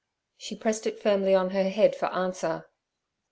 She pressed it firmly on her head for answer.